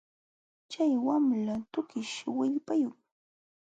Chay wamla tukish willpayuqmi